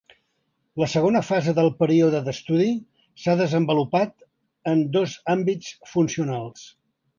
La segona fase del període d’estudi s’ha desenvolupat en dos àmbits funcionals.